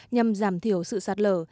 nhằm giảm thiểu sự sạt lở